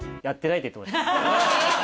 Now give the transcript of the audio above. やってない。